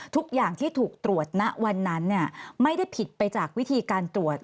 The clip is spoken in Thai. ทุกอย่างที่ถูกตรวจณวันนั้นไม่ได้ผิดไปจากวิธีการตรวจ